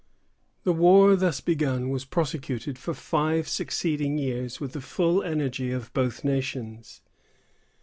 The war thus begun was prosecuted for five succeeding years with the full energy of both nations.